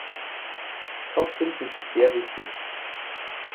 Trotzdem sind sie sehr wichtig.